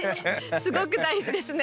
すごく大事ですね。